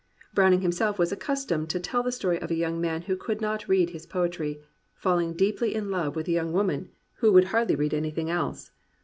Browning himself was accustomed to tell the story of a young man who could not read his poetry, falling deeply in love with a young 240 ''GLORY OF THE IMPERFECT" woman who would hardly read anything else.